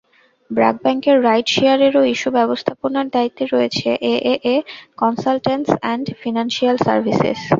ব্র্যাক ব্যাংকের রাইট শেয়ারেরও ইস্যু ব্যবস্থাপনার দায়িত্বে রয়েছে AAA consultants and financial services.